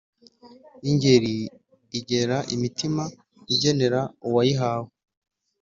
Ingeri igera imitima igenera uwayihawe